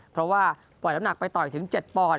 เพราะว่าปล่อยน้ำหนักไปต่อยถึง๗ปอนด